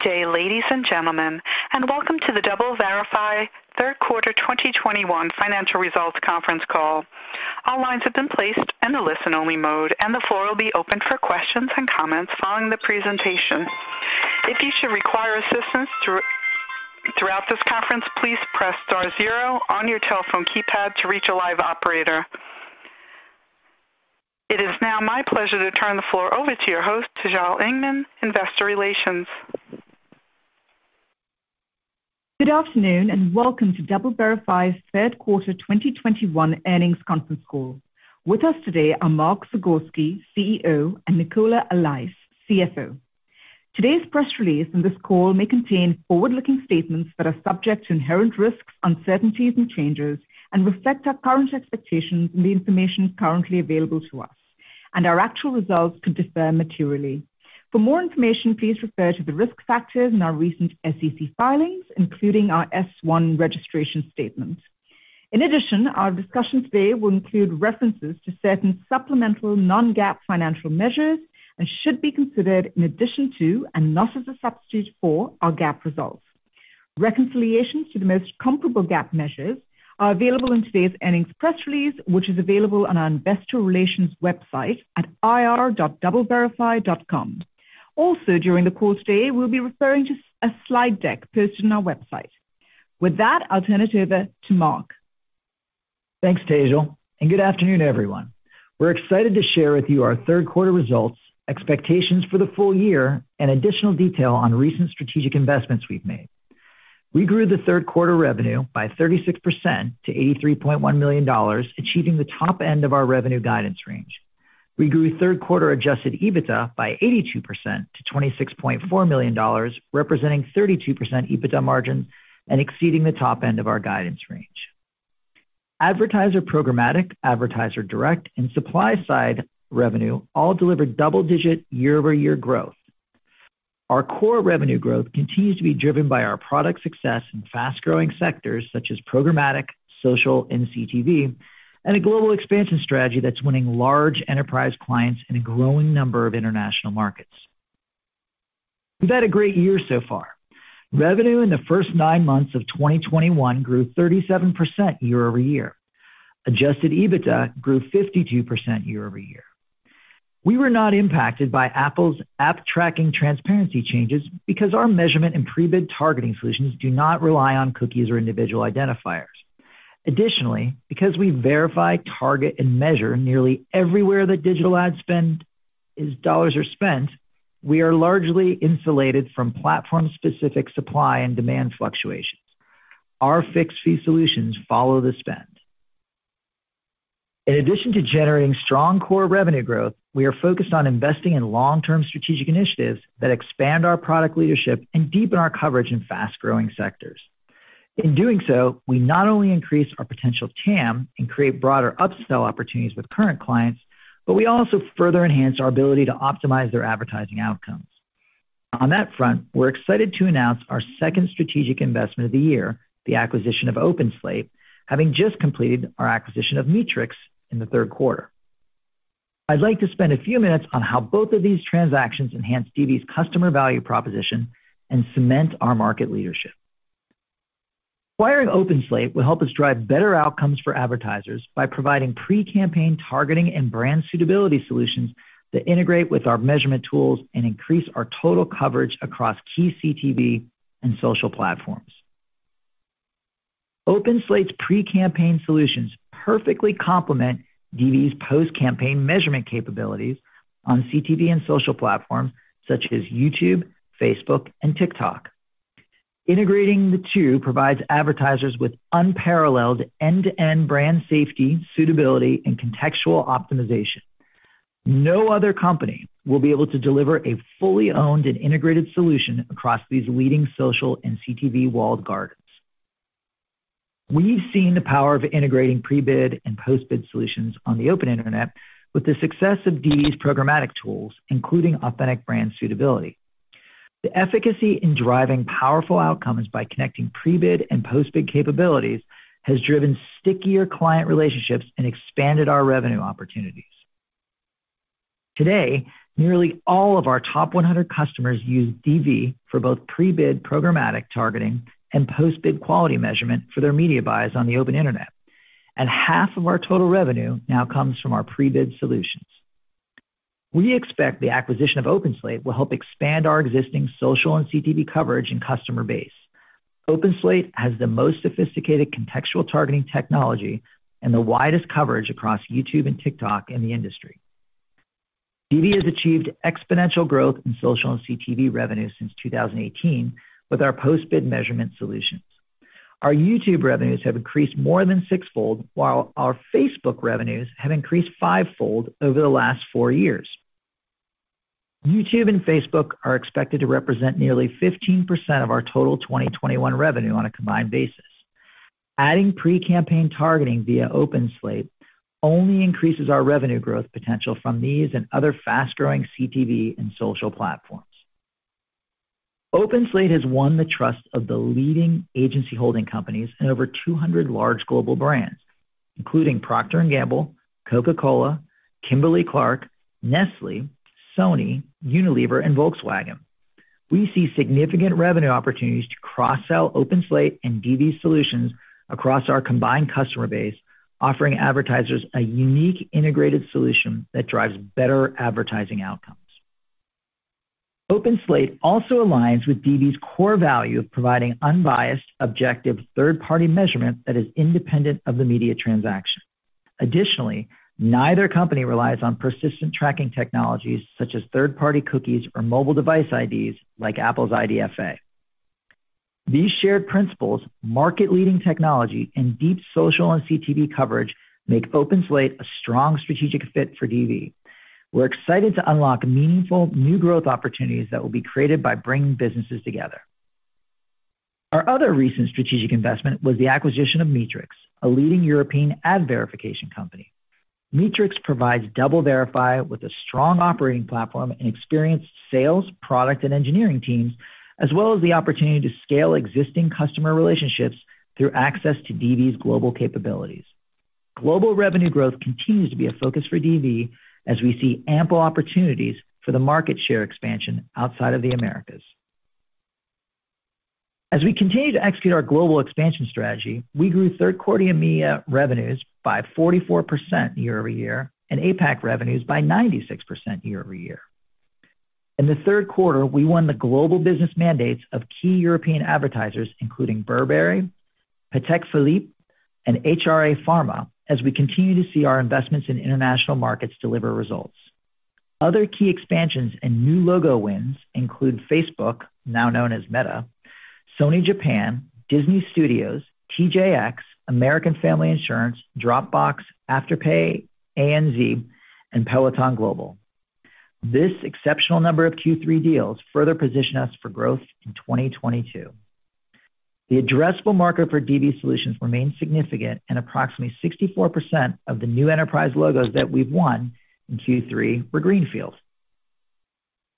Good day, ladies and gentlemen, and welcome to the DoubleVerify third quarter 2021 financial results conference call. All lines have been placed into listen-only mode, and the floor will be opened for questions and comments following the presentation. If you should require assistance throughout this conference, please press star zero on your telephone keypad to reach a live operator. It is now my pleasure to turn the floor over to your host, Tejal Engman, Investor Relations. Good afternoon, and welcome to DoubleVerify's third quarter 2021 earnings conference call. With us today are Mark Zagorski, CEO, and Nicola Allais, CFO. Today's press release and this call may contain forward-looking statements that are subject to inherent risks, uncertainties, and changes and reflect our current expectations and the information currently available to us. Our actual results could differ materially. For more information, please refer to the risk factors in our recent SEC filings, including our S-1 registration statement. In addition, our discussion today will include references to certain supplemental non-GAAP financial measures and should be considered in addition to, and not as a substitute for, our GAAP results. Reconciliations to the most comparable GAAP measures are available in today's earnings press release, which is available on our investor relations website at ir.doubleverify.com. Also, during the call today, we'll be referring to a slide deck posted on our website. With that, I'll turn it over to Mark. Thanks, Tejal, and good afternoon, everyone. We're excited to share with you our third quarter results, expectations for the full year, and additional detail on recent strategic investments we've made. We grew the third quarter revenue by 36% to $83.1 million, achieving the top end of our revenue guidance range. We grew third quarter adjusted EBITDA by 82% to $26.4 million, representing 32% EBITDA margin and exceeding the top end of our guidance range. Advertiser programmatic, advertiser direct, and supply-side revenue all delivered double-digit year-over-year growth. Our core revenue growth continues to be driven by our product success in fast-growing sectors such as programmatic, social, and CTV, and a global expansion strategy that's winning large enterprise clients in a growing number of international markets. We've had a great year so far. Revenue in the first nine months of 2021 grew 37% year-over-year. Adjusted EBITDA grew 52% year-over-year. We were not impacted by Apple's App Tracking Transparency changes because our measurement and prebid targeting solutions do not rely on cookies or individual identifiers. Additionally, because we verify, target, and measure nearly everywhere that digital ad dollars are spent, we are largely insulated from platform-specific supply and demand fluctuations. Our fixed-fee solutions follow the spend. In addition to generating strong core revenue growth, we are focused on investing in long-term strategic initiatives that expand our product leadership and deepen our coverage in fast-growing sectors. In doing so, we not only increase our potential TAM and create broader upsell opportunities with current clients, but we also further enhance our ability to optimize their advertising outcomes. On that front, we're excited to announce our second strategic investment of the year, the acquisition of OpenSlate, having just completed our acquisition of Meetrics in the third quarter. I'd like to spend a few minutes on how both of these transactions enhance DV's customer value proposition and cement our market leadership. Acquiring OpenSlate will help us drive better outcomes for advertisers by providing pre-campaign targeting and brand suitability solutions that integrate with our measurement tools and increase our total coverage across key CTV and social platforms. OpenSlate's pre-campaign solutions perfectly complement DV's post-campaign measurement capabilities on CTV and social platforms such as YouTube, Facebook, and TikTok. Integrating the two provides advertisers with unparalleled end-to-end brand safety, suitability, and contextual optimization. No other company will be able to deliver a fully owned and integrated solution across these leading social and CTV walled gardens. We've seen the power of integrating pre-bid and post-bid solutions on the open internet with the success of these programmatic tools, including Authentic Brand Suitability. The efficacy in driving powerful outcomes by connecting pre-bid and post-bid capabilities has driven stickier client relationships and expanded our revenue opportunities. Today, nearly all of our top 100 customers use DV for both pre-bid programmatic targeting and post-bid quality measurement for their media buys on the open internet. Half of our total revenue now comes from our pre-bid solutions. We expect the acquisition of OpenSlate will help expand our existing social and CTV coverage and customer base. OpenSlate has the most sophisticated contextual targeting technology and the widest coverage across YouTube and TikTok in the industry. DV has achieved exponential growth in social and CTV revenue since 2018 with our post-bid measurement solutions. Our YouTube revenues have increased more than 6-fold, while our Facebook revenues have increased 5-fold over the last four years. YouTube and Facebook are expected to represent nearly 15% of our total 2021 revenue on a combined basis. Adding pre-campaign targeting via OpenSlate only increases our revenue growth potential from these and other fast-growing CTV and social platforms. OpenSlate has won the trust of the leading agency holding companies in over 200 large global brands, including Procter & Gamble, Coca-Cola, Kimberly-Clark, Nestlé, Sony, Unilever, and Volkswagen. We see significant revenue opportunities to cross-sell OpenSlate and DV's solutions across our combined customer base, offering advertisers a unique integrated solution that drives better advertising outcomes. OpenSlate also aligns with DV's core value of providing unbiased, objective third-party measurement that is independent of the media transaction. Additionally, neither company relies on persistent tracking technologies such as third-party cookies or mobile device IDs like Apple's IDFA. These shared principles, market-leading technology, and deep social and CTV coverage make OpenSlate a strong strategic fit for DV. We're excited to unlock meaningful new growth opportunities that will be created by bringing businesses together. Our other recent strategic investment was the acquisition of Meetrics, a leading European ad verification company. Meetrics provides DoubleVerify with a strong operating platform and experienced sales, product, and engineering teams, as well as the opportunity to scale existing customer relationships through access to DV's global capabilities. Global revenue growth continues to be a focus for DV as we see ample opportunities for the market share expansion outside of the Americas. As we continue to execute our global expansion strategy, we grew third-quarter EMEA revenues by 44% year-over-year and APAC revenues by 96% year-over-year. In the third quarter, we won the global business mandates of key European advertisers, including Burberry, Patek Philippe, and HRA Pharma, as we continue to see our investments in international markets deliver results. Other key expansions and new logo wins include Facebook, now known as Meta, Sony Japan, Disney Studios, TJX, American Family Insurance, Dropbox, Afterpay, ANZ, and Peloton Global. This exceptional number of Q3 deals further position us for growth in 2022. The addressable market for DV solutions remains significant, and approximately 64% of the new enterprise logos that we've won in Q3 were greenfields.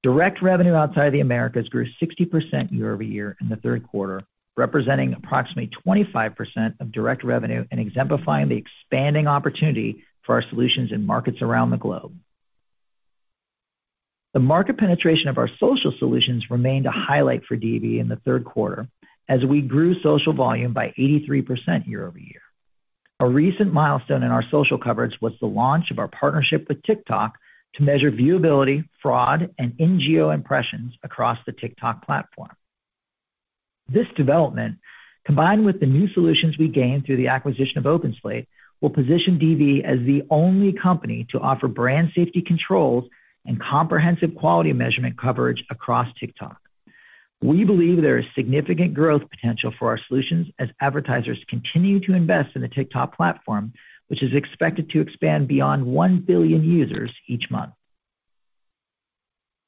Direct revenue outside of the Americas grew 60% year-over-year in the third quarter, representing approximately 25% of direct revenue and exemplifying the expanding opportunity for our solutions in markets around the globe. The market penetration of our social solutions remained a highlight for DV in the third quarter as we grew social volume by 83% year-over-year. A recent milestone in our social coverage was the launch of our partnership with TikTok to measure viewability, fraud, and in-geo impressions across the TikTok platform. This development, combined with the new solutions we gained through the acquisition of OpenSlate, will position DV as the only company to offer brand safety controls and comprehensive quality measurement coverage across TikTok. We believe there is significant growth potential for our solutions as advertisers continue to invest in the TikTok platform, which is expected to expand beyond 1 billion users each month.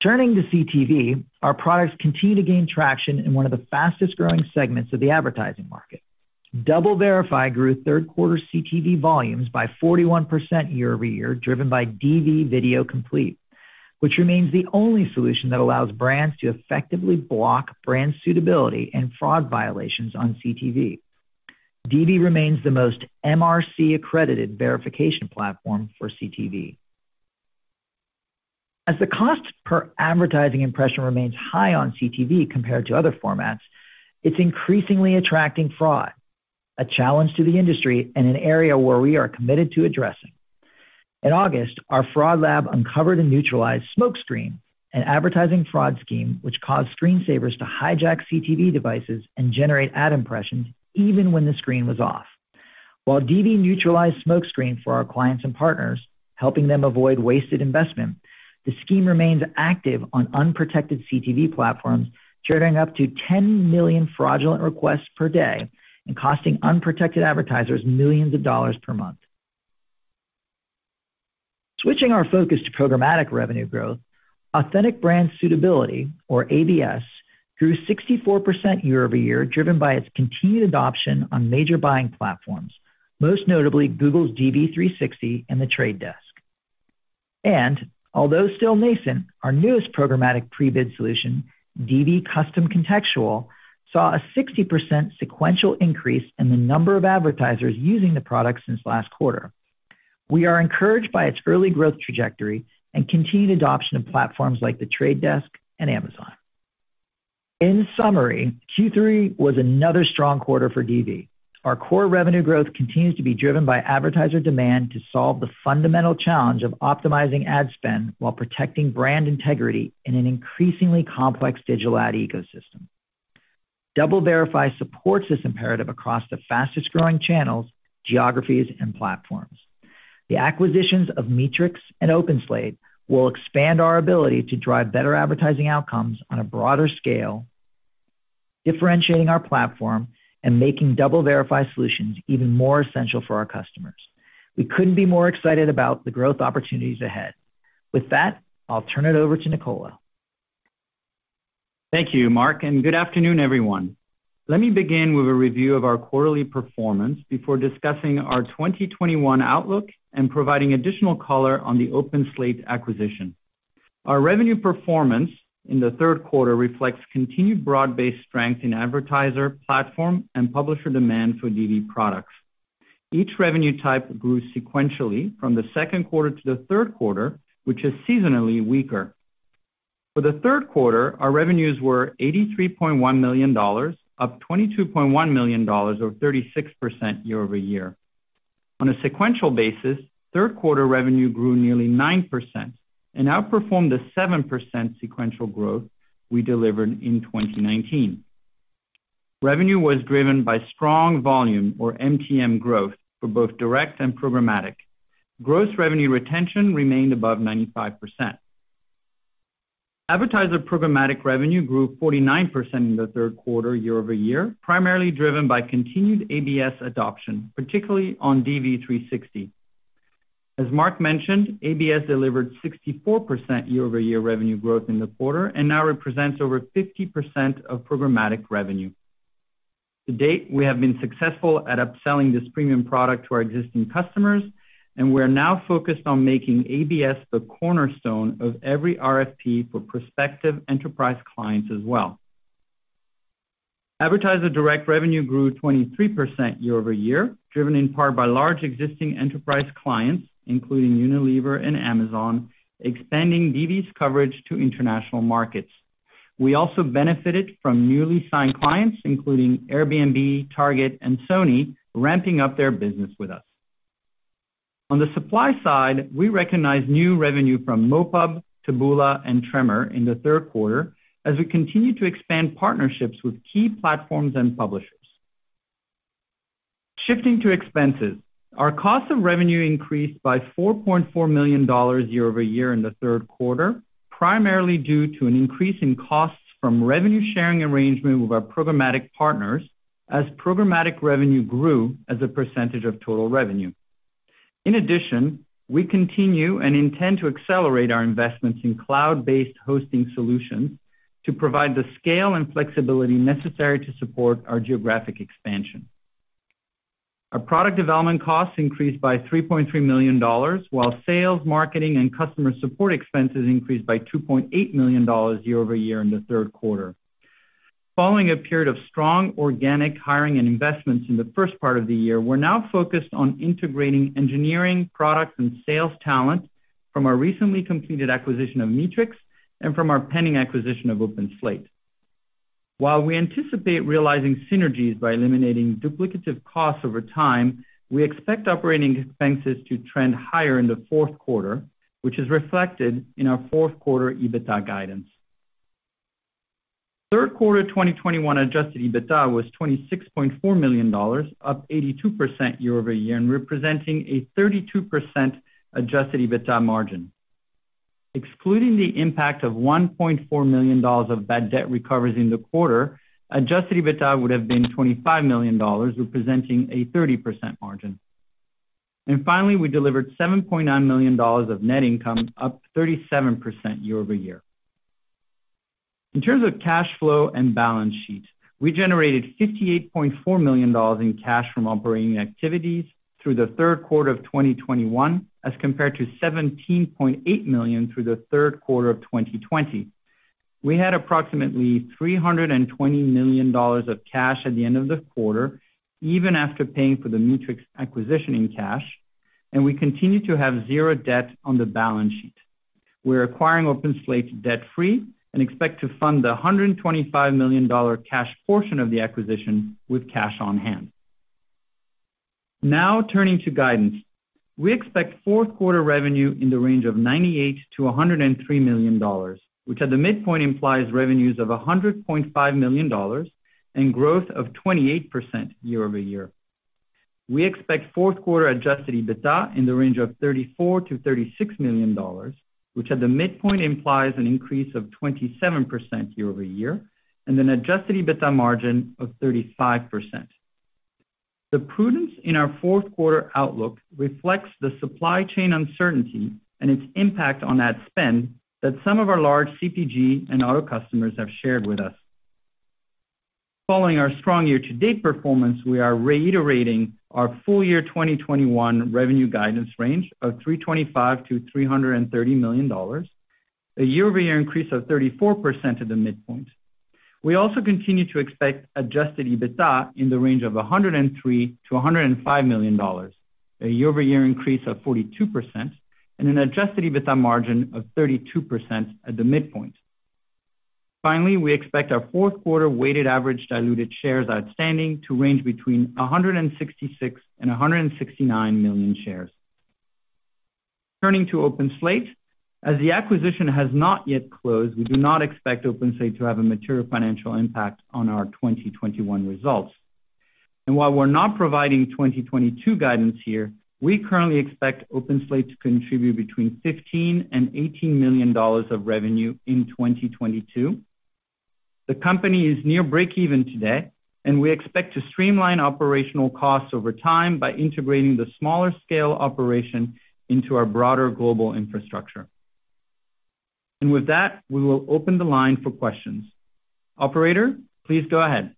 Turning to CTV, our products continue to gain traction in one of the fastest-growing segments of the advertising market. DoubleVerify grew third-quarter CTV volumes by 41% year-over-year, driven by DV Video Complete, which remains the only solution that allows brands to effectively block brand suitability and fraud violations on CTV. DV remains the most MRC-accredited verification platform for CTV. As the cost per advertising impression remains high on CTV compared to other formats, it's increasingly attracting fraud, a challenge to the industry and an area where we are committed to addressing. In August, our fraud lab uncovered and neutralized SmokeScreen, an advertising fraud scheme which caused screensavers to hijack CTV devices and generate ad impressions even when the screen was off. While DV neutralized SmokeScreen for our clients and partners, helping them avoid wasted investment, the scheme remains active on unprotected CTV platforms, generating up to 10 million fraudulent requests per day and costing unprotected advertisers millions of dollars per month. Switching our focus to programmatic revenue growth, Authentic Brand Suitability, or ABS, grew 64% year-over-year, driven by its continued adoption on major buying platforms, most notably Google's DV360 and The Trade Desk. Although still nascent, our newest programmatic pre-bid solution, DV Custom Contextual, saw a 60% sequential increase in the number of advertisers using the product since last quarter. We are encouraged by its early growth trajectory and continued adoption of platforms like The Trade Desk and Amazon. In summary, Q3 was another strong quarter for DV. Our core revenue growth continues to be driven by advertiser demand to solve the fundamental challenge of optimizing ad spend while protecting brand integrity in an increasingly complex digital ad ecosystem. DoubleVerify supports this imperative across the fastest-growing channels, geographies, and platforms. The acquisitions of Meetrics and OpenSlate will expand our ability to drive better advertising outcomes on a broader scale, differentiating our platform and making DoubleVerify solutions even more essential for our customers. We couldn't be more excited about the growth opportunities ahead. With that, I'll turn it over to Nicola. Thank you, Mark, and good afternoon, everyone. Let me begin with a review of our quarterly performance before discussing our 2021 outlook and providing additional color on the OpenSlate acquisition. Our revenue performance in the third quarter reflects continued broad-based strength in advertiser platform and publisher demand for DV products. Each revenue type grew sequentially from the second quarter to the third quarter, which is seasonally weaker. For the third quarter, our revenues were $83.1 million, up $22.1 million or 36% year-over-year. On a sequential basis, third quarter revenue grew nearly 9% and outperformed the 7% sequential growth we delivered in 2019. Revenue was driven by strong volume or MTM growth for both direct and programmatic. Gross revenue retention remained above 95%. Advertiser programmatic revenue grew 49% in the third quarter year-over-year, primarily driven by continued ABS adoption, particularly on DV360. As Mark mentioned, ABS delivered 64% year-over-year revenue growth in the quarter and now represents over 50% of programmatic revenue. To date, we have been successful at upselling this premium product to our existing customers, and we are now focused on making ABS the cornerstone of every RFP for prospective enterprise clients as well. Advertiser direct revenue grew 23% year-over-year, driven in part by large existing enterprise clients, including Unilever and Amazon, expanding DV's coverage to international markets. We also benefited from newly signed clients, including Airbnb, Target, and Sony, ramping up their business with us. On the supply side, we recognize new revenue from MoPub, Taboola, and Tremor in the third quarter as we continue to expand partnerships with key platforms and publishers. Shifting to expenses. Our cost of revenue increased by $4.4 million year-over-year in the third quarter, primarily due to an increase in costs from revenue sharing arrangement with our programmatic partners as programmatic revenue grew as a percentage of total revenue. In addition, we continue and intend to accelerate our investments in cloud-based hosting solutions to provide the scale and flexibility necessary to support our geographic expansion. Our product development costs increased by $3.3 million, while sales, marketing, and customer support expenses increased by $2.8 million year-over-year in the third quarter. Following a period of strong organic hiring and investments in the first part of the year, we're now focused on integrating engineering, products, and sales talent from our recently completed acquisition of Meetrics and from our pending acquisition of OpenSlate. While we anticipate realizing synergies by eliminating duplicative costs over time, we expect operating expenses to trend higher in the fourth quarter, which is reflected in our fourth quarter EBITDA guidance. Third quarter 2021 adjusted EBITDA was $26.4 million, up 82% year-over-year and representing a 32% adjusted EBITDA margin. Excluding the impact of $1.4 million of bad debt recovers in the quarter, adjusted EBITDA would have been $25 million, representing a 30% margin. Finally, we delivered $7.9 million of net income, up 37% year-over-year. In terms of cash flow and balance sheet, we generated $58.4 million in cash from operating activities through the third quarter of 2021 as compared to $17.8 million through the third quarter of 2020. We had approximately $320 million of cash at the end of the quarter, even after paying for the Meetrics acquisition in cash, and we continue to have zero debt on the balance sheet. We're acquiring OpenSlate debt-free and expect to fund the $125 million cash portion of the acquisition with cash on hand. Now, turning to guidance. We expect fourth quarter revenue in the range of $98 million-$103 million, which at the midpoint implies revenues of $100.5 million and growth of 28% year-over-year. We expect fourth quarter adjusted EBITDA in the range of $34 million-$36 million, which at the midpoint implies an increase of 27% year-over-year and an adjusted EBITDA margin of 35%. The prudence in our fourth quarter outlook reflects the supply chain uncertainty and its impact on ad spend that some of our large CPG and auto customers have shared with us. Following our strong year-to-date performance, we are reiterating our full year 2021 revenue guidance range of $325 million-$330 million, a year-over-year increase of 34% at the midpoint. We also continue to expect adjusted EBITDA in the range of $103 million-$105 million, a year-over-year increase of 42%, and an adjusted EBITDA margin of 32% at the midpoint. Finally, we expect our fourth quarter weighted average diluted shares outstanding to range between 166 and 169 million shares. Turning to OpenSlate. As the acquisition has not yet closed, we do not expect OpenSlate to have a material financial impact on our 2021 results. While we're not providing 2022 guidance here, we currently expect OpenSlate to contribute between $15 million and $18 million of revenue in 2022. The company is near breakeven today, and we expect to streamline operational costs over time by integrating the smaller scale operation into our broader global infrastructure. With that, we will open the line for questions. Operator, please go ahead.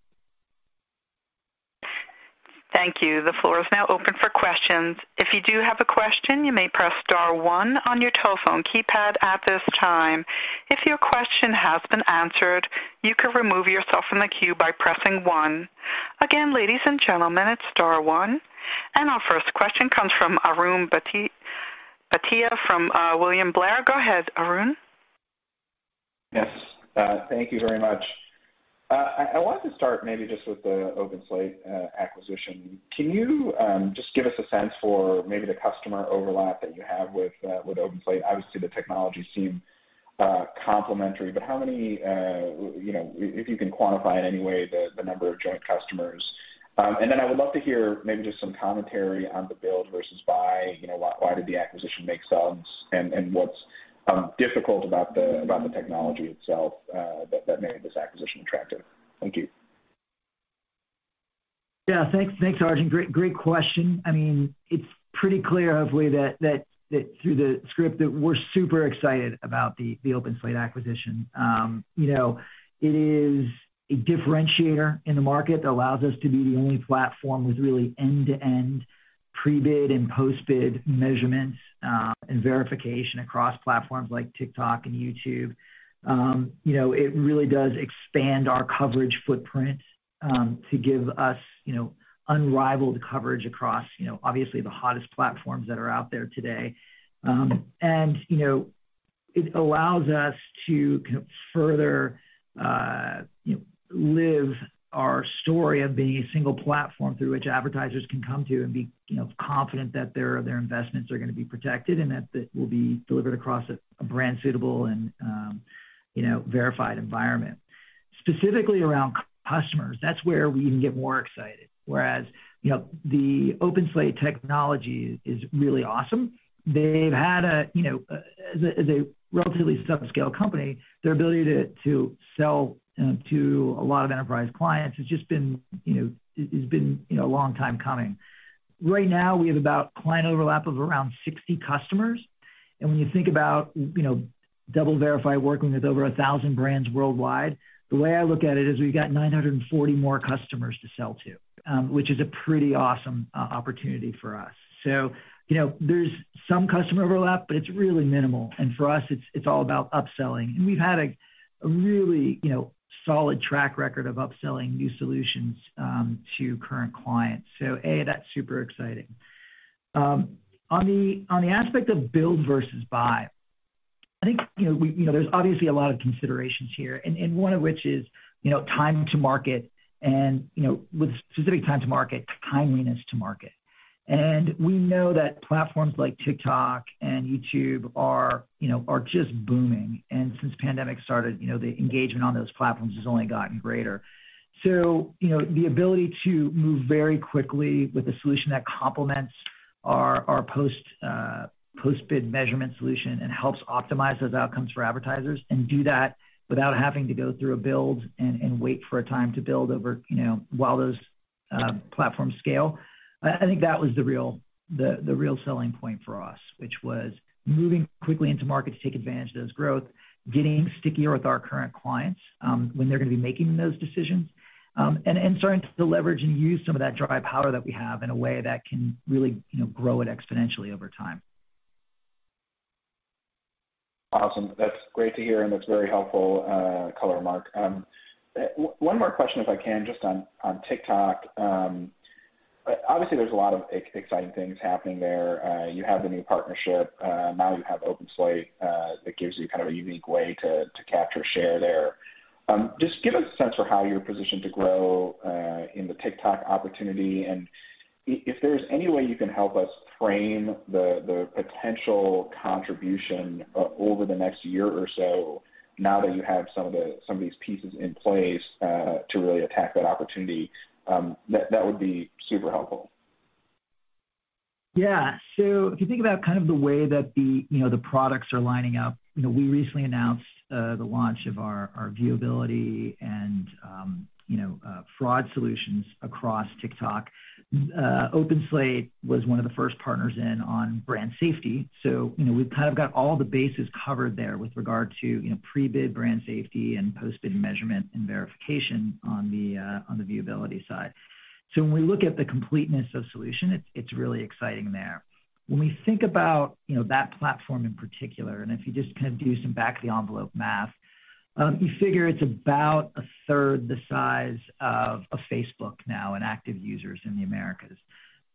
Thank you. The floor is now open for questions. If you do have a question, you may press star one on your telephone keypad at this time. If your question has been answered, you can remove yourself from the queue by pressing one. Again, ladies and gentlemen, it's star one. Our first question comes from Arjun Bhatia from William Blair. Go ahead, Arjun. Yes, thank you very much. I wanted to start maybe just with the OpenSlate acquisition. Can you just give us a sense for maybe the customer overlap that you have with OpenSlate? Obviously, the technologies seem complementary, but how many, you know, if you can quantify in any way the number of joint customers? And then I would love to hear maybe just some commentary on the build versus buy. You know, why did the acquisition make sense and what's difficult about the technology itself that made this acquisition attractive? Thank you. Yeah. Thanks, Arjun. Great question. I mean, it's pretty clear, hopefully, that through the script that we're super excited about the OpenSlate acquisition. You know, it is a differentiator in the market that allows us to be the only platform with really end-to-end pre-bid and post-bid measurements and verification across platforms like TikTok and YouTube. You know, it really does expand our coverage footprint to give us you know, unrivaled coverage across, you know, obviously the hottest platforms that are out there today. You know, it allows us to kind of further live our story of being a single platform through which advertisers can come to and be, you know, confident that their investments are gonna be protected and that it will be delivered across a brand suitable and, you know, verified environment. Specifically around customers, that's where we even get more excited. Whereas, you know, the OpenSlate technology is really awesome. They've had, you know, as a relatively subscale company, their ability to sell to a lot of enterprise clients has just been, you know, it has been, you know, a long time coming. Right now, we have client overlap of around 60 customers. When you think about, you know, DoubleVerify working with over 1,000 brands worldwide, the way I look at it is we've got 940 more customers to sell to, which is a pretty awesome opportunity for us. You know, there's some customer overlap, but it's really minimal. For us, it's all about upselling. We've had a really, you know, solid track record of upselling new solutions to current clients. A, that's super exciting. On the aspect of build versus buy, I think, you know, we, you know, there's obviously a lot of considerations here, and one of which is, you know, time to market and, you know, with specific time to market, timeliness to market. We know that platforms like TikTok and YouTube are, you know, are just booming. Since the pandemic started, you know, the engagement on those platforms has only gotten greater. You know, the ability to move very quickly with a solution that complements our post-bid measurement solution and helps optimize those outcomes for advertisers and do that without having to go through a build and wait for a time to build over, you know, while those platforms scale. I think that was the real selling point for us, which was moving quickly into market to take advantage of this growth, getting stickier with our current clients when they're gonna be making those decisions, and starting to leverage and use some of that dry powder that we have in a way that can really, you know, grow it exponentially over time. Awesome. That's great to hear, and that's a very helpful color, Mark. One more question, if I can, just on TikTok. Obviously there's a lot of exciting things happening there. You have the new partnership. Now you have OpenSlate, that gives you kind of a unique way to capture share there. Just give us a sense for how you're positioned to grow in the TikTok opportunity and if there's any way you can help us frame the potential contribution over the next year or so now that you have some of these pieces in place to really attack that opportunity, that would be super helpful. Yeah. If you think about kind of the way that the, you know, the products are lining up. You know, we recently announced the launch of our viewability and fraud solutions across TikTok. OpenSlate was one of the first partners in on brand safety. You know, we've kind of got all the bases covered there with regard to, you know, pre-bid brand safety and post-bid measurement and verification on the viewability side. When we look at the completeness of solution, it's really exciting there. When we think about, you know, that platform in particular, and if you just kind of do some back of the envelope math, you figure it's about a third the size of Facebook now in active users in the Americas.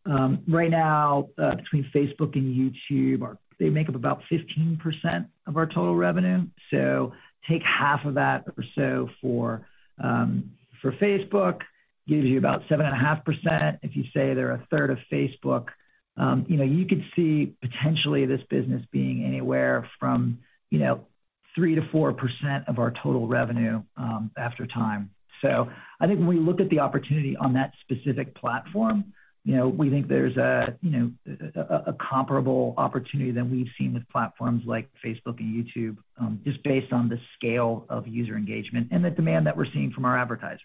Right now, between Facebook and YouTube they make up about 15% of our total revenue. Take half of that or so for Facebook gives you about 7.5%. If you say they're a third of Facebook, you know, you could see potentially this business being anywhere from, you know, 3%-4% of our total revenue, over time. I think when we look at the opportunity on that specific platform, you know, we think there's a comparable opportunity to we've seen with platforms like Facebook and YouTube, just based on the scale of user engagement and the demand that we're seeing from our advertisers.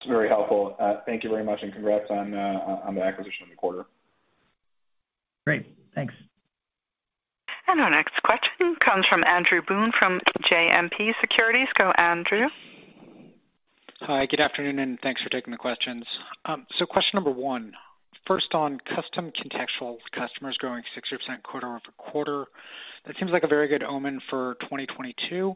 It's very helpful. Thank you very much, and congrats on the acquisition in the quarter. Great. Thanks. Our next question comes from Andrew Boone, from JMP Securities. Go, Andrew. Hi. Good afternoon, and thanks for taking the questions. Question number one. First on Custom Contextual customers growing 60% quarter-over-quarter. That seems like a very good omen for 2022.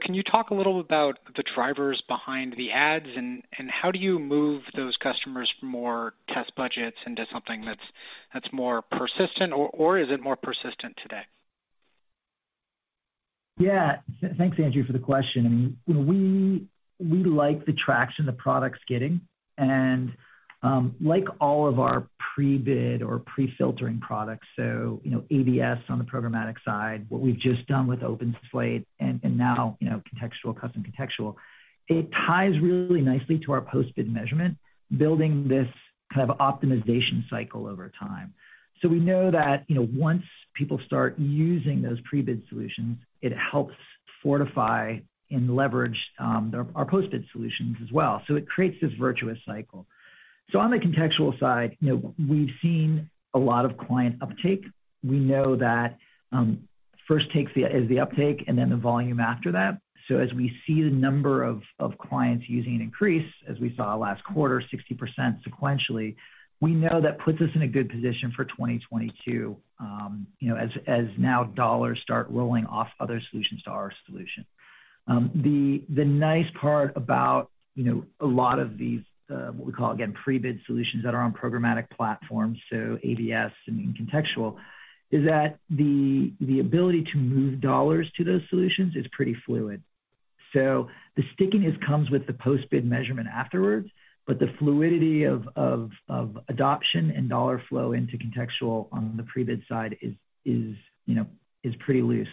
Can you talk a little about the drivers behind the ads and how do you move those customers from more test budgets into something that's more persistent or is it more persistent today? Thanks, Andrew, for the question. I mean, you know, we like the traction the product's getting. Like all of our pre-bid or pre-filtering products, you know, ABS on the programmatic side, what we've just done with OpenSlate and now, you know, contextual, custom contextual, it ties really nicely to our post-bid measurement, building this kind of optimization cycle over time. We know that, you know, once people start using those pre-bid solutions, it helps fortify and leverage our post-bid solutions as well. It creates this virtuous cycle. On the contextual side, you know, we've seen a lot of client uptake. We know that first take is the uptake and then the volume after that. As we see the number of clients using it increase, as we saw last quarter, 60% sequentially, we know that puts us in a good position for 2022, you know, as now dollars start rolling off other solutions to our solution. The nice part about, you know, a lot of these, what we call, again, pre-bid solutions that are on programmatic platforms, so ABS and contextual, is that the ability to move dollars to those solutions is pretty fluid. The stickiness comes with the post-bid measurement afterwards, but the fluidity of adoption and dollar flow into contextual on the pre-bid side is, you know, pretty loose.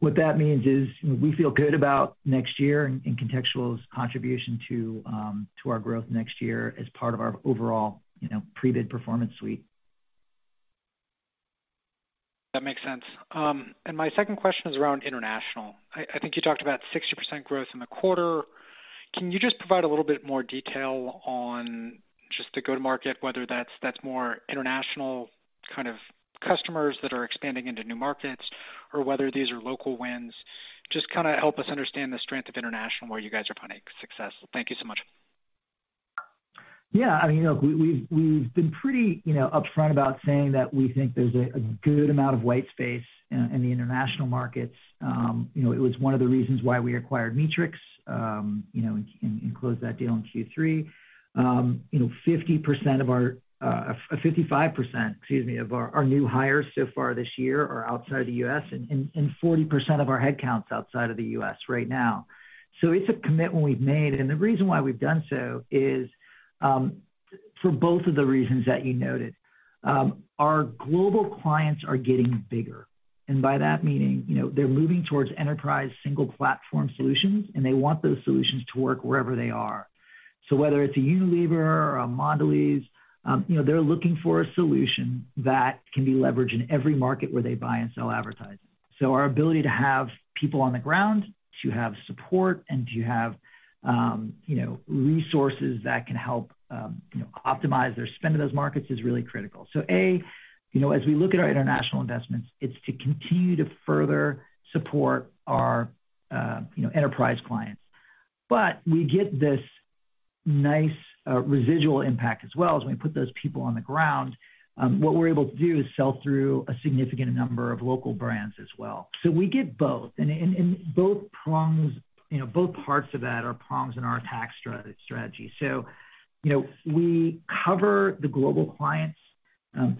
What that means is we feel good about next year and contextual's contribution to our growth next year as part of our overall, you know, pre-bid performance suite. That makes sense. My second question is around international. I think you talked about 60% growth in the quarter. Can you just provide a little bit more detail on just the go-to-market, whether that's more international kind of customers that are expanding into new markets or whether these are local wins? Just kinda help us understand the strength of international, where you guys are finding success. Thank you so much. Yeah. I mean, look, we've been pretty, you know, upfront about saying that we think there's a good amount of white space in the international markets. You know, it was one of the reasons why we acquired Meetrics, you know, and closed that deal in Q3. You know, 50% of our, 55%, excuse me, of our new hires so far this year are outside the U.S., and 40% of our headcount's outside of the U.S. right now. So it's a commitment we've made. The reason why we've done so is for both of the reasons that you noted. Our global clients are getting bigger, and by that meaning, you know, they're moving towards enterprise single platform solutions, and they want those solutions to work wherever they are. Whether it's a Unilever or a Mondelēz, you know, they're looking for a solution that can be leveraged in every market where they buy and sell advertising. Our ability to have people on the ground, to have support, and to have, you know, resources that can help, you know, optimize their spend in those markets is really critical. As we look at our international investments, it's to continue to further support our, you know, enterprise clients. We get this nice, residual impact as well as we put those people on the ground. What we're able to do is sell through a significant number of local brands as well. We get both. Both prongs, you know, both parts of that are prongs in our attack strategy. You know, we cover the global clients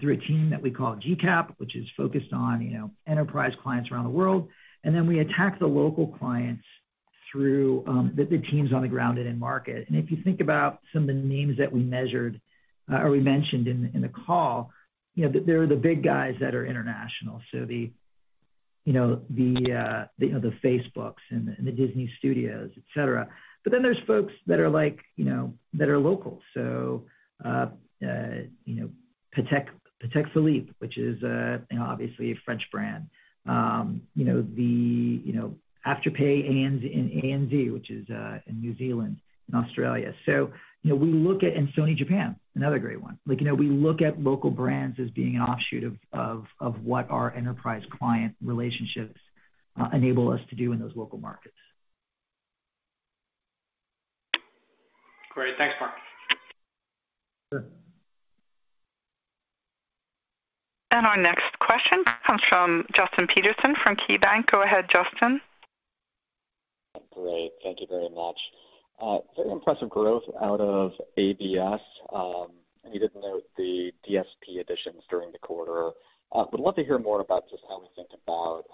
through a team that we call GCAP, which is focused on you know, enterprise clients around the world. Then we attack the local clients through the teams on the ground and in market. If you think about some of the names that we measured or we mentioned in the call, you know, they're the big guys that are international, so the Facebooks and the Disney Studios, et cetera. Then there's folks that are like, you know, that are local. You know, Patek Philippe, which is you know, obviously a French brand. You know, the Afterpay and ANZ, which is in New Zealand and Australia. You know, we look at Sony Japan, another great one. Like, you know, we look at local brands as being an offshoot of what our enterprise client relationships enable us to do in those local markets. Great. Thanks, Mark. Sure. Our next question comes from Justin Patterson from KeyBanc. Go ahead, Justin. Great. Thank you very much. Very impressive growth out of ABS. I know you didn't note the DSP additions during the quarter. Would love to hear more about just how we think about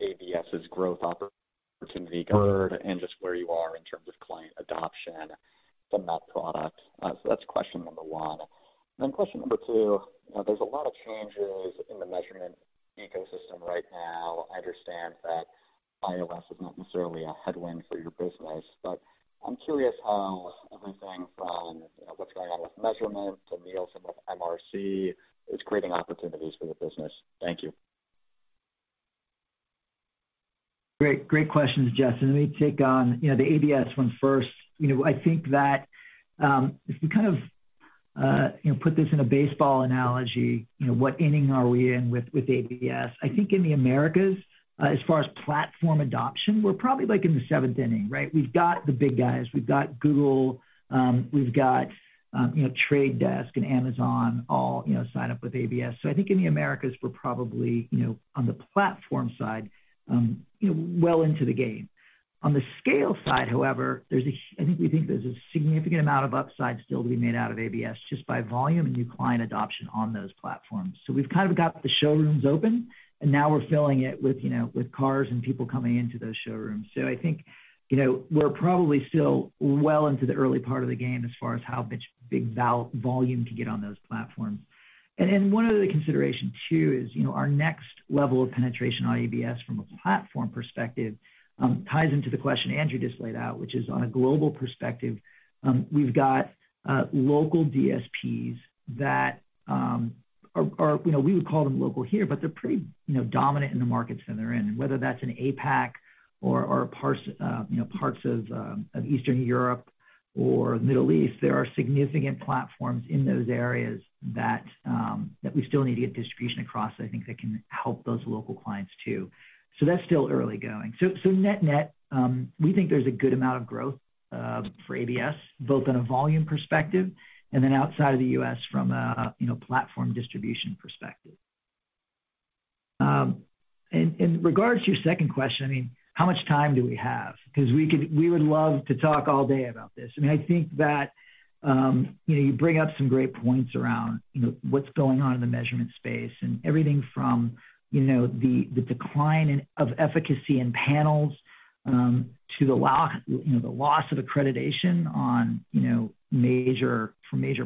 ABS' growth opportunity going forward and just where you are in terms of client adoption from that product. So that's question number one. Question number two. You know, there's a lot of changes in the measurement ecosystem right now. I understand that iOS is not necessarily a headwind for your business, but I'm curious how everything from, you know, what's going on with measurement to Nielsen with MRC is creating opportunities for the business. Thank you. Great, great questions, Justin. Let me take on, you know, the ABS one first. You know, I think that if you kind of, you know, put this in a baseball analogy, you know, what inning are we in with ABS? I think in the Americas, as far as platform adoption, we're probably, like, in the seventh inning, right? We've got the big guys. We've got Google, we've got, you know, The Trade Desk and Amazon all, you know, sign up with ABS. So I think in the Americas we're probably, you know, on the platform side, you know, well into the game. On the scale side, however, I think we think there's a significant amount of upside still to be made out of ABS just by volume and new client adoption on those platforms. We've kind of got the showrooms open, and now we're filling it with, you know, with cars and people coming into those showrooms. I think, you know, we're probably still well into the early part of the game as far as how much big value-volume can get on those platforms. One other consideration too is, you know, our next level of penetration on ABS from a platform perspective ties into the question Andrew just laid out, which is on a global perspective, we've got local DSPs that are, you know, we would call them local here, but they're pretty, you know, dominant in the markets that they're in. whether that's in APAC or parts of Eastern Europe or Middle East, there are significant platforms in those areas that we still need to get distribution across. I think that can help those local clients too. That's still early going. net-net, we think there's a good amount of growth for ABS, both on a volume perspective and then outside of the U.S. from a, you know, platform distribution perspective. regards to your second question, I mean, how much time do we have? 'Cause we would love to talk all day about this. I mean, I think that you know, you bring up some great points around you know, what's going on in the measurement space and everything from you know, the decline of efficacy in panels to the loss of accreditation on major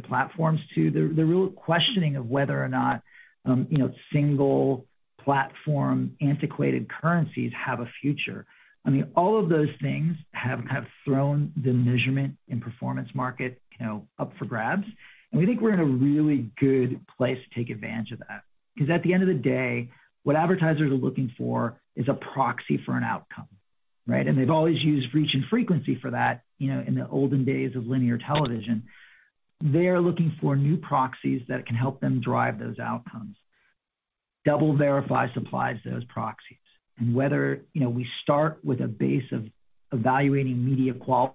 platforms to the real questioning of whether or not you know, single platform antiquated currencies have a future. I mean, all of those things have thrown the measurement and performance market you know, up for grabs. We think we're in a really good place to take advantage of that. 'Cause at the end of the day, what advertisers are looking for is a proxy for an outcome, right? They've always used reach and frequency for that, you know, in the olden days of linear television. They're looking for new proxies that can help them drive those outcomes. DoubleVerify supplies those proxies. Whether, you know, we start with a base of evaluating media quality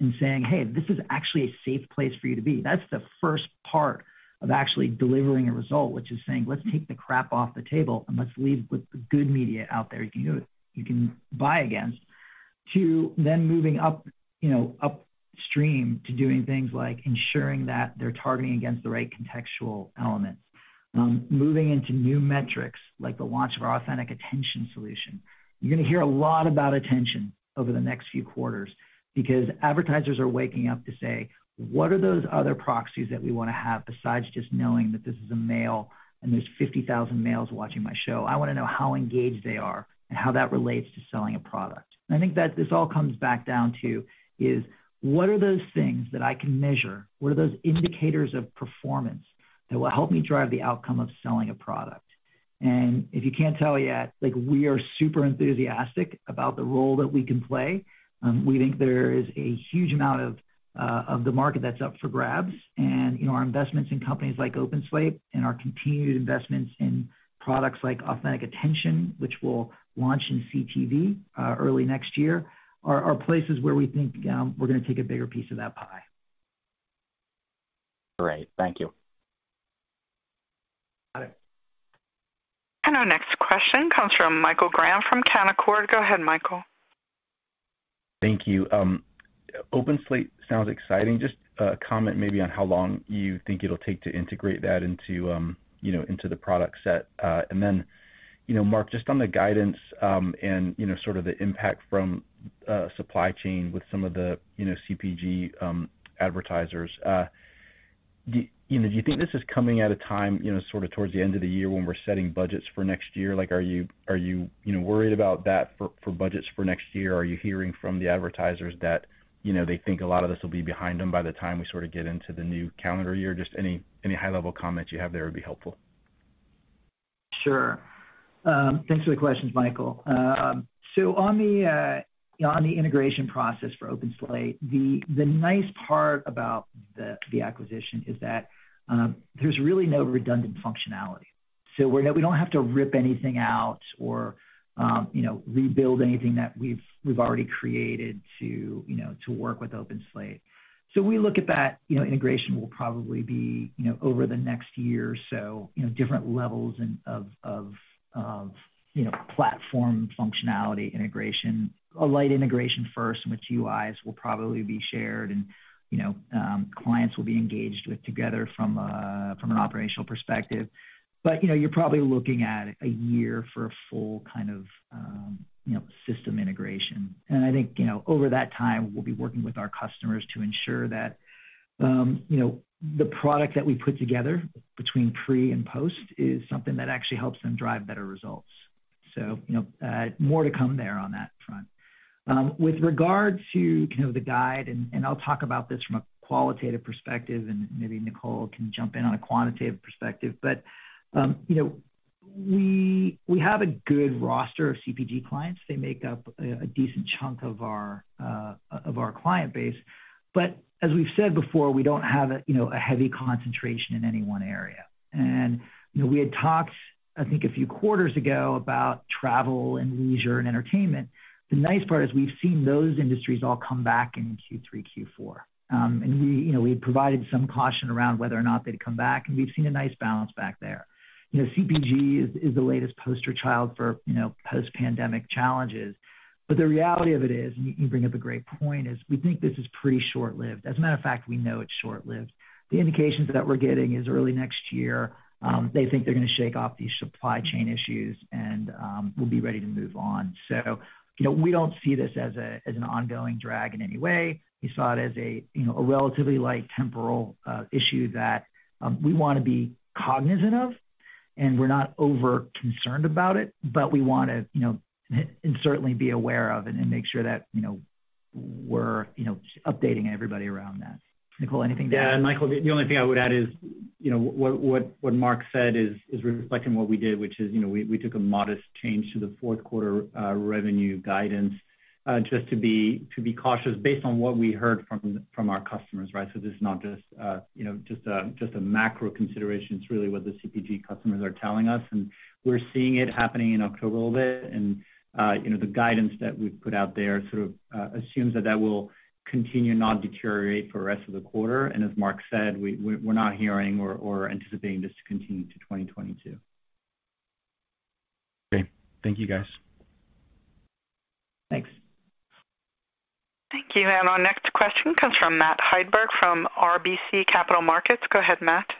and saying, "Hey, this is actually a safe place for you to be." That's the first part of actually delivering a result, which is saying, "Let's take the crap off the table, and let's leave with the good media out there you can use, you can buy against." To then moving up, you know, upstream to doing things like ensuring that they're targeting against the right contextual elements. Moving into new metrics, like the launch of our Authentic Attention solution. You're gonna hear a lot about attention over the next few quarters because advertisers are waking up to say, "What are those other proxies that we wanna have besides just knowing that this is a male, and there's 50,000 males watching my show? I wanna know how engaged they are and how that relates to selling a product." I think that this all comes back down to is what are those things that I can measure? What are those indicators of performance that will help me drive the outcome of selling a product? If you can't tell yet, like, we are super enthusiastic about the role that we can play. We think there is a huge amount of the market that's up for grabs. You know, our investments in companies like OpenSlate and our continued investments in products like Authentic Attention, which we'll launch in CTV early next year, are places where we think we're gonna take a bigger piece of that pie. Great. Thank you. Got it. Our next question comes from Michael Graham from Canaccord. Go ahead, Michael. Thank you. OpenSlate sounds exciting. Just a comment maybe on how long you think it'll take to integrate that into, you know, into the product set. Then, you know, Mark, just on the guidance, and, you know, sort of the impact from supply chain with some of the, you know, CPG advertisers. Do you think this is coming at a time, you know, sort of towards the end of the year when we're setting budgets for next year? Like, are you worried about that for budgets for next year? Are you hearing from the advertisers that, you know, they think a lot of this will be behind them by the time we sort of get into the new calendar year? Just any high-level comments you have there would be helpful. Sure. Thanks for the questions, Michael. So on the integration process for OpenSlate, the nice part about the acquisition is that there's really no redundant functionality. So we don't have to rip anything out or you know, rebuild anything that we've already created to you know, to work with OpenSlate. So we look at that you know, integration will probably be you know, over the next year or so. You know, different levels of platform functionality integration. A light integration first in which UIs will probably be shared and you know, clients will be engaged with together from an operational perspective. You know, you're probably looking at a year for a full kind of you know, system integration. I think, you know, over that time, we'll be working with our customers to ensure that, you know, the product that we put together between pre and post is something that actually helps them drive better results. You know, more to come there on that. With regard to kind of the guide, and I'll talk about this from a qualitative perspective, and maybe Nicola can jump in on a quantitative perspective. But you know, we have a good roster of CPG clients. They make up a decent chunk of our of our client base. But as we've said before, we don't have a you know, a heavy concentration in any one area. You know, we had talked, I think, a few quarters ago about travel and leisure and entertainment. The nice part is we've seen those industries all come back in Q3, Q4. We, you know, had provided some caution around whether or not they'd come back, and we've seen a nice balance back there. You know, CPG is the latest poster child for, you know, post-pandemic challenges. The reality of it is, and you bring up a great point, is we think this is pretty short-lived. As a matter of fact, we know it's short-lived. The indications that we're getting is early next year, they think they're gonna shake off these supply chain issues and we'll be ready to move on. You know, we don't see this as an ongoing drag in any way. We saw it as a you know relatively light temporal issue that we wanna be cognizant of, and we're not overly concerned about it, but we wanna you know certainly be aware of and then make sure that you know we're you know updating everybody around that. Nicola, anything to add? Yeah. Michael, the only thing I would add is, you know, what Mark said is reflecting what we did, which is, you know, we took a modest change to the fourth quarter revenue guidance just to be cautious based on what we heard from our customers, right? This is not just, you know, just a macro consideration. It's really what the CPG customers are telling us. We're seeing it happening in October a little bit. You know, the guidance that we've put out there sort of assumes that that will continue to not deteriorate for the rest of the quarter. As Mark said, we're not hearing or anticipating this to continue to 2022. Great. Thank you, guys. Thanks. Thank you. Our next question comes from Matt Hedberg from RBC Capital Markets. Go ahead, Matt.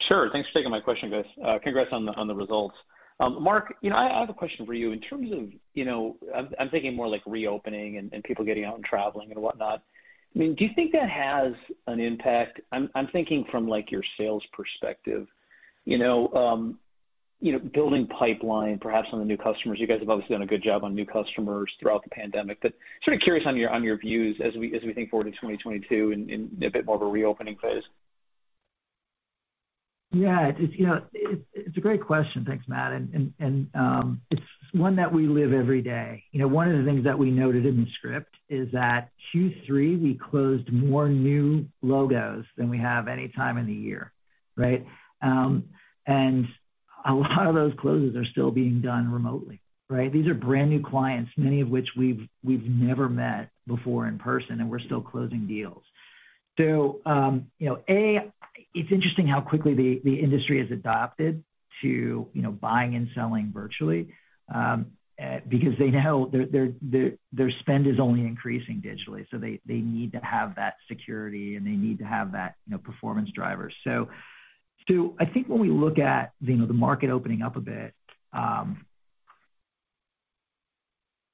Sure. Thanks for taking my question, guys. Congrats on the results. Mark, you know, I have a question for you. In terms of, you know, I'm thinking more like reopening and people getting out and traveling and whatnot. I mean, do you think that has an impact? I'm thinking from like your sales perspective. You know, you know, building pipeline perhaps on the new customers. You guys have obviously done a good job on new customers throughout the pandemic, but sort of curious on your views as we think forward to 2022 in a bit more of a reopening phase. Yeah. It's a great question. Thanks, Matt. And it's one that we live every day. You know, one of the things that we noted in the script is that Q3, we closed more new logos than we have any time in the year, right? And a lot of those closes are still being done remotely, right? These are brand new clients, many of which we've never met before in person, and we're still closing deals. You know, it's interesting how quickly the industry has adopted to buying and selling virtually, because they know their spend is only increasing digitally, so they need to have that security, and they need to have that performance driver. I think when we look at, you know, the market opening up a bit,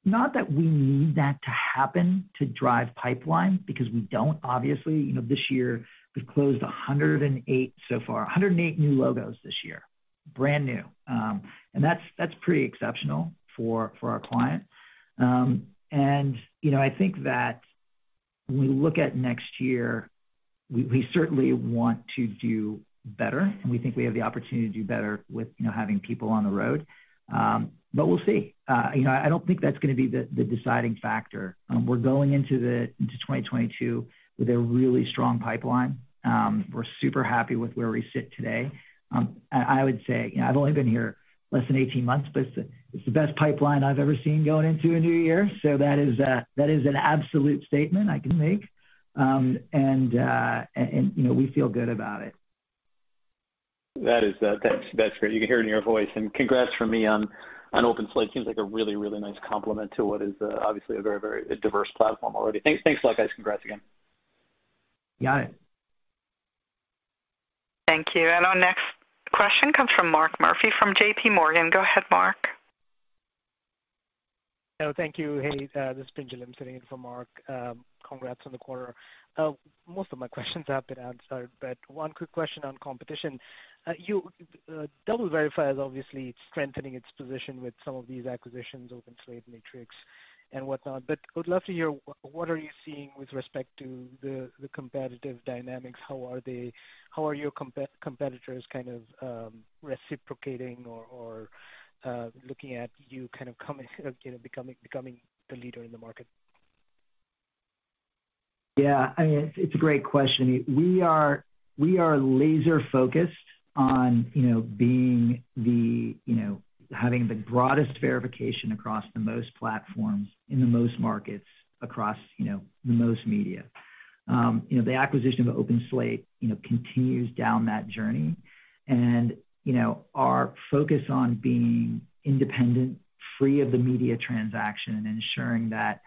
not that we need that to happen to drive pipeline because we don't, obviously. You know, this year we've closed 108 so far, 108 new logos this year. Brand new. And that's pretty exceptional for our clients. You know, I think that when we look at next year, we certainly want to do better, and we think we have the opportunity to do better with, you know, having people on the road. We'll see. You know, I don't think that's gonna be the deciding factor. We're going into 2022 with a really strong pipeline. We're super happy with where we sit today. I would say, you know, I've only been here less than 18 months, but it's the best pipeline I've ever seen going into a new year. That is an absolute statement I can make. You know, we feel good about it. That's great. You can hear it in your voice. Congrats from me on OpenSlate. Seems like a really nice complement to what is obviously a very diverse platform already. Thanks. Thanks a lot, guys. Congrats again. Got it. Thank you. Our next question comes from Mark Murphy from JPMorgan. Go ahead, Mark. Thank you. Hey, this is Pinjalim Bora sitting in for Mark. Congrats on the quarter. Most of my questions have been answered, but one quick question on competition. DoubleVerify is obviously strengthening its position with some of these acquisitions, OpenSlate, Meetrics and whatnot, but I would love to hear what are you seeing with respect to the competitive dynamics. How are your competitors kind of reciprocating or looking at you kind of coming, you know, becoming the leader in the market? Yeah, I mean, it's a great question. We are laser-focused on, you know, being the, you know, having the broadest verification across the most platforms in the most markets across, you know, the most media. You know, the acquisition of OpenSlate, you know, continues down that journey. Our focus on being independent, free of the media transaction and ensuring that,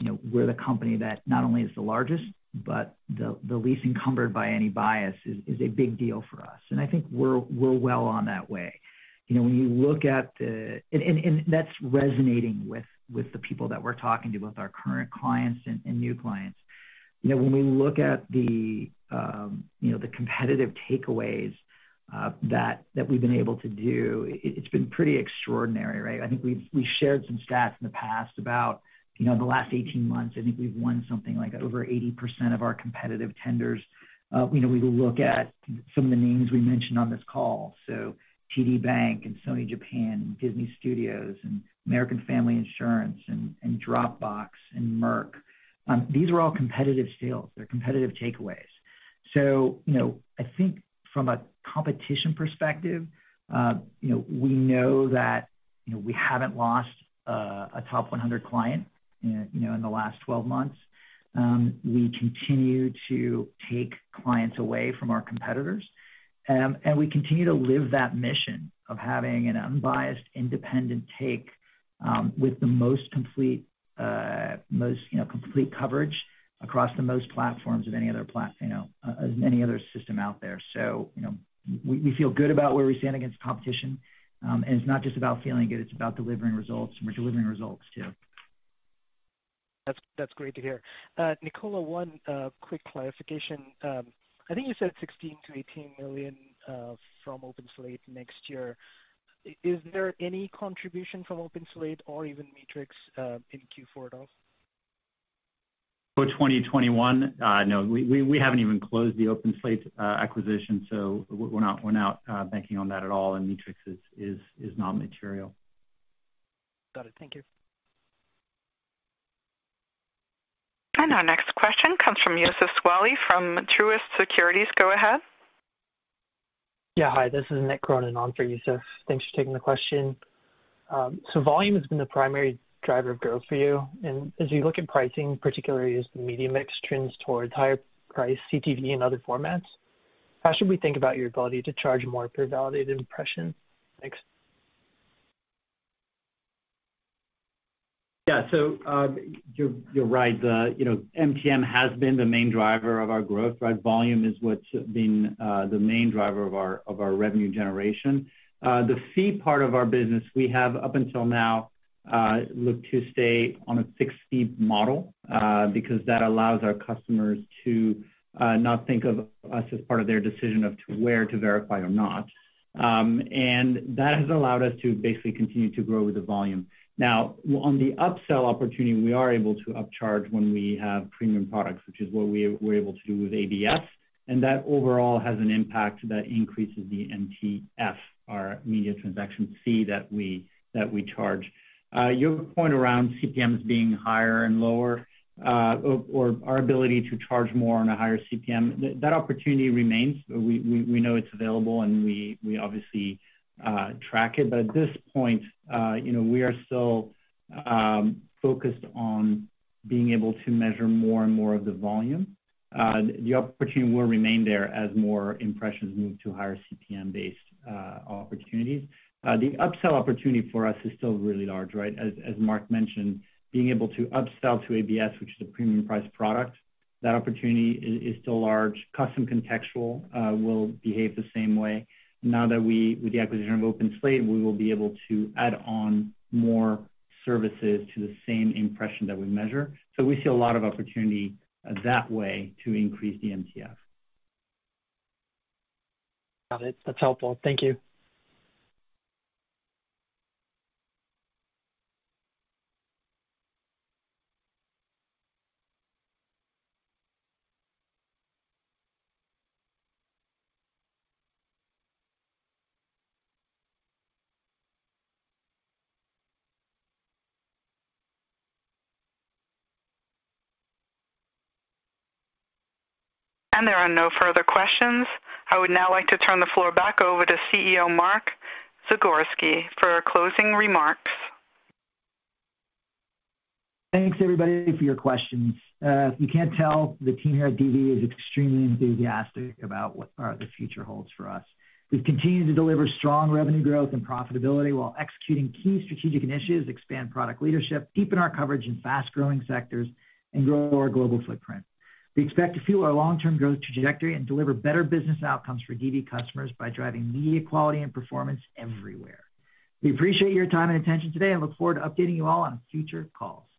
you know, we're the company that not only is the largest, but the least encumbered by any bias is a big deal for us. I think we're well on that way. That's resonating with the people that we're talking to, both our current clients and new clients. You know, when we look at the competitive takeaways that we've been able to do, it's been pretty extraordinary, right? I think we've shared some stats in the past about the last 18 months. I think we've won something like over 80% of our competitive tenders. You know, we will look at some of the names we mentioned on this call. TD Bank and Sony Japan, Disney Studios, and American Family Insurance and Dropbox and Merck, these are all competitive sales. They're competitive takeaways. You know, I think from a competition perspective, you know, we know that we haven't lost a top 100 client in the last 12 months. We continue to take clients away from our competitors. We continue to live that mission of having an unbiased, independent take with the most complete coverage across the most platforms of any other system out there. You know, we feel good about where we stand against competition. It's not just about feeling good, it's about delivering results, and we're delivering results too. That's great to hear. Nicola, one quick clarification. I think you said $16 million-$18 million from OpenSlate next year. Is there any contribution from OpenSlate or even Meetrics in Q4 at all? For 2021, no. We haven't even closed the OpenSlate acquisition, so we're not banking on that at all. Meetrics is not material. Got it. Thank you. Our next question comes from Youssef Squali from Truist Securities. Go ahead. Yeah, hi. This is Nick Cronin on for Youssef. Thanks for taking the question. So volume has been the primary driver of growth for you. As you look at pricing, particularly as the media mix trends towards higher priced CTV and other formats, how should we think about your ability to charge more per validated impression? Thanks. Yeah. You're right. You know, MTM has been the main driver of our growth, right? Volume is what's been the main driver of our revenue generation. The fee part of our business, we have up until now looked to stay on a fixed fee model, because that allows our customers to not think of us as part of their decision of to where to verify or not. That has allowed us to basically continue to grow with the volume. Now on the upsell opportunity, we are able to upcharge when we have premium products, which is what we're able to do with ABS, and that overall has an impact that increases the MTF, our media transaction fee that we charge. Your point around CPMs being higher and lower, or our ability to charge more on a higher CPM, that opportunity remains. We know it's available, and we obviously track it. At this point, you know, we are still focused on being able to measure more and more of the volume. The opportunity will remain there as more impressions move to higher CPM-based opportunities. The upsell opportunity for us is still really large, right? As Mark mentioned, being able to upsell to ABS, which is a premium price product, that opportunity is still large. Custom Contextual will behave the same way. Now that, with the acquisition of OpenSlate, we will be able to add on more services to the same impression that we measure. We see a lot of opportunity that way to increase the MTM. Got it. That's helpful. Thank you. There are no further questions. I would now like to turn the floor back over to CEO Mark Zagorski for closing remarks. Thanks everybody for your questions. If you can't tell, the team here at DV is extremely enthusiastic about what the future holds for us. We've continued to deliver strong revenue growth and profitability while executing key strategic initiatives, expand product leadership, deepen our coverage in fast-growing sectors, and grow our global footprint. We expect to fuel our long-term growth trajectory and deliver better business outcomes for DV customers by driving media quality and performance everywhere. We appreciate your time and attention today and look forward to updating you all on future calls.